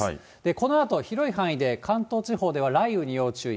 このあと、広い範囲で関東地方では雷雨に要注意。